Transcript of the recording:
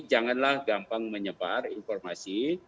janganlah gampang menyebar informasi